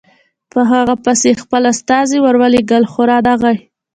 په هغه پسې یې خپل استازي ورولېږل خو رانغی.